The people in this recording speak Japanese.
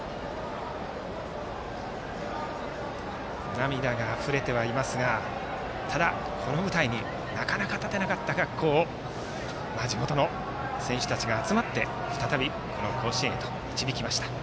涙があふれてはいますがただ、この舞台になかなか立てなかった学校を地元の選手たちが集まって再び、甲子園へと導きました。